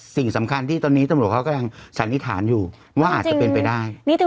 สิ่งสำคัญที่ตอนนี้ตำรวจเขาก็ยังสันนิษฐานอยู่ว่าอาจจะเป็นไปได้